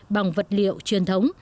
bằng vật liệu truyền thống